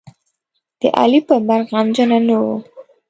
د علي په مرګ غمجنـه نه وه.